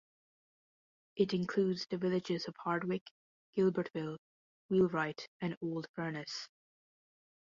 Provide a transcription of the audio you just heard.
It includes the villages of Hardwick, Gilbertville, Wheelwright and Old Furnace.